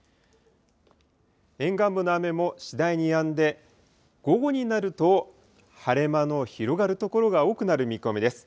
沿岸部の雨も次第にやんで、午後になると晴れ間の広がる所が多くなる見込みです。